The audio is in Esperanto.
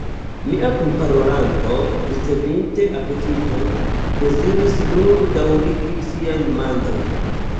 Mia kunparolanto, ricevinte apetiton, deziris nur daŭrigi sian manĝon.